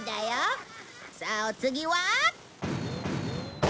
さあお次は。